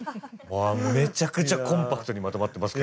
めちゃくちゃコンパクトにまとまってますけれども。